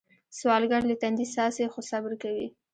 سوالګر له تندي څاڅي خو صبر کوي